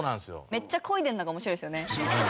めっちゃこいでるのが面白いですよね。